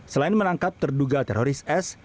selain menangkap terduga teroris s